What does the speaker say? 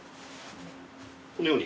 このように。